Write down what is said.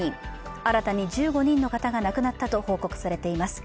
新たに１５人の方が亡くなったと報告されています。